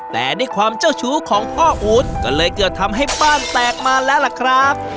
แต่ด้วยความเจ้าชู้ของพ่ออู๊ดก็เลยเกิดทำให้บ้านแตกมาแล้วล่ะครับ